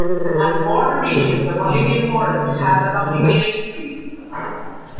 As a border region, the Bohemian Forest has had a complicated history.